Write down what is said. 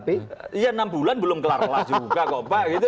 iya enam bulan belum kelar kelar juga kok pak